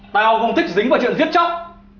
tao không thích dính vào chuyện giết chóc